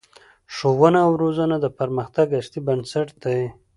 ښوونه او روزنه د پرمختګ اصلي بنسټ دی